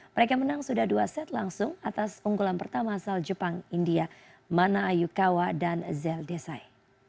mereka menang sudah dua set langsung atas unggulan pertama asal jepang india mana ayukawa dan zeldesai